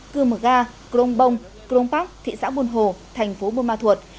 kương mờ ga krom bông krom bắc thị xã buôn hồ thành phố buôn ma thuột